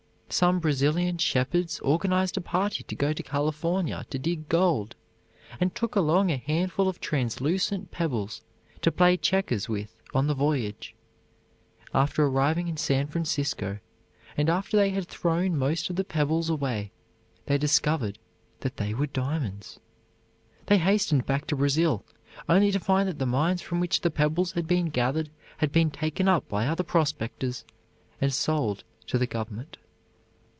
Some Brazilian shepherds organized a party to go to California to dig gold, and took along a handful of translucent pebbles to play checkers with on the voyage. After arriving in San Francisco, and after they had thrown most of the pebbles away, they discovered that they were diamonds. They hastened back to Brazil, only to find that the mines from which the pebbles had been gathered had been taken up by other prospectors and sold to the government.